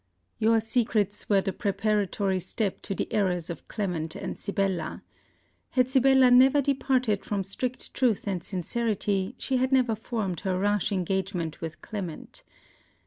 Your secrets were the preparatory step to the errors of Clement and Sibella. Had Sibella never departed from strict truth and sincerity, she had never formed her rash engagement with Clement.